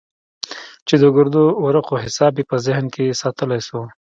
چې د ګردو ورقو حساب يې په ذهن کښې ساتلى سو.